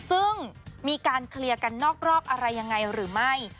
ซึ่งมีการเคลียร์กันนอกรอกอะไรยังไงหรือไม่